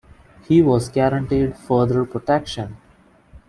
He was guaranteed further protection.